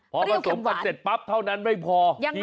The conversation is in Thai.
พอผสมกันเสร็จปั๊บเท่านั้นไม่พอ